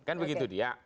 kan begitu dia